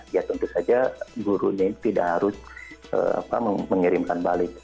ya tentu saja gurunya tidak harus mengirimkan balik